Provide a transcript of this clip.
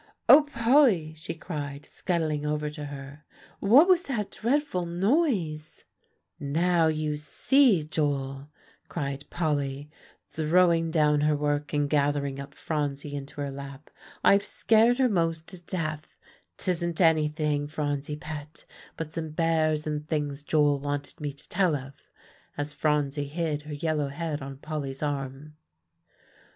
"O Polly!" she cried scuttling over to her; "what was that dreadful noise?" [Illustration: "O Polly!" she cried scuttling over to her.] "Now you see, Joel," cried Polly, throwing down her work, and gathering up Phronsie into her lap, "I've scared her most to death. 'Tisn't anything, Phronsie pet, but some bears and things Joel wanted me to tell of" as Phronsie hid her yellow head on Polly's arm.